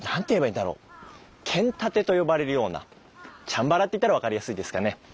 剣殺陣と呼ばれるようなチャンバラって言ったら分かりやすいですかね。